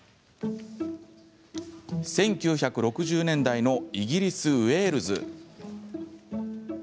１９６０年代のイギリスウェールズ。